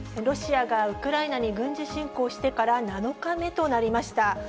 ロシアがウクライナに軍事侵攻してから７日目となりました。